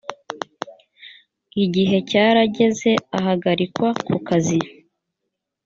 igihe cyarageze ahagarikwa ku kazi